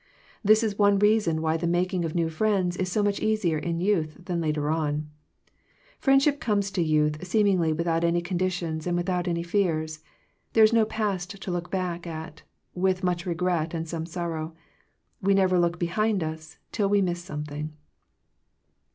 This is one reason why the making of new friends is so much easier in youth than later on. Friendship comes to youth seemingly without any conditions, and without any fears. There is no past to look back at, with much regret and some sorrow. We never look behind us, till we miss something.